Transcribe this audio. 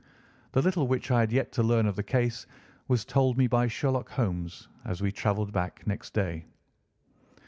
The little which I had yet to learn of the case was told me by Sherlock Holmes as we travelled back next day.